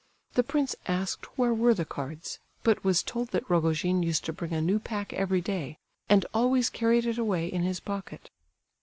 The prince asked where were the cards, but was told that Rogojin used to bring a new pack every day, and always carried it away in his pocket.